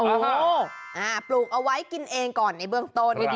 โอ้โหปลูกเอาไว้กินเองก่อนในเบื้องต้น